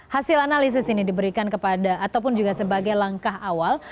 hasil analisis ini diberikan kepada ataupun juga sebagai langkah awal